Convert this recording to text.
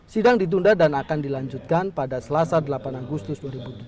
sidang ditunda dan akan dilanjutkan pada selasa delapan agustus dua ribu tujuh belas